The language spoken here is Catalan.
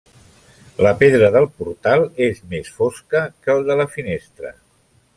La pedra del portal és més fosca que el de la finestra.